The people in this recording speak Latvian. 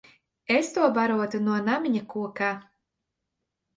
Es to barotu no namiņa kokā.